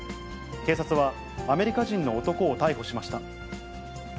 警察はアメリカ人の男を逮捕しました。